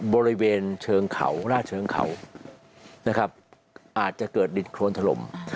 บริเวณเชิงเขาหน้าเชิงเขานะครับอาจจะเกิดดินโครนถล่ม